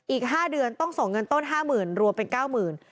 อีก๕เดือนต้องส่งเงินต้น๕๐๐๐รวมเป็น๙๐๐บาท